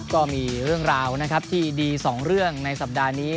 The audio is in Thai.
ก็มีเรื่องราวนะครับที่ดีสองเรื่องในสัปดาห์นี้